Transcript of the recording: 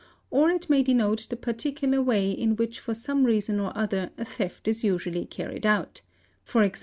or it may | denote the particular way in which for some reason or other a theft is usually carried out; e.g.